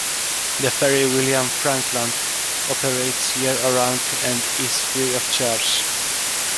The ferry "William Frankland" operates year round and is free of charge.